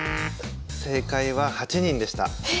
正解は８人でした。